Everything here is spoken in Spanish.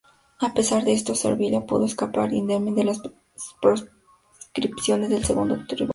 A pesar de esto, Servilia pudo escapar indemne de las proscripciones del segundo triunvirato.